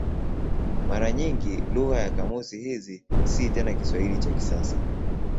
Mara nyingi lugha ya kamusi hizi si tena Kiswahili cha kisasa.